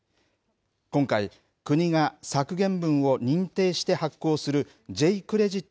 今回、国が削減分を認定して発行するＪー